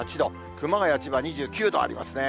熊谷、千葉２９度ありますね。